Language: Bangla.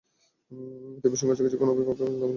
তীব্র সংঘর্ষ কিছুক্ষণ উভয় পক্ষের মধ্যে তুমুল যুদ্ধ চলে।